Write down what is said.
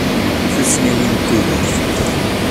Tussniwin n tudert.